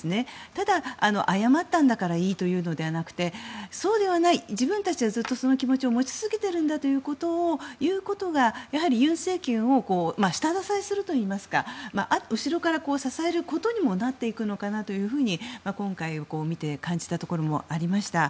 ただ、謝ったんだからいいというのではなくてそうではない自分たちはずっとその気持ちを持ち続けているんだということを言うことが尹政権を下支えするといいますか後ろから支えることにもなっていくのかなと今回を見て感じたところもありました。